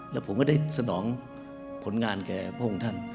และผมก็ได้สนองผลงานแก่พวกท่าน